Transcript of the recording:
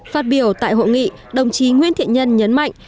phát biểu tại hội nghị đồng chí nguyễn thiện nhân nhấn mạnh